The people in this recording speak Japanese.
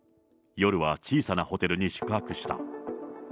夜は小さなホテルに宿泊した。